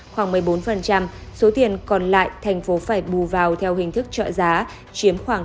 khoảng một mươi bốn số tiền còn lại thành phố phải bù vào theo hình thức trợ giá chiếm khoảng tám mươi năm